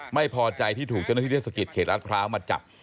ไม่พอใจที่ถูกเจ้าหน้าที่เทศกิจเขตรัฐพร้าวมาจับ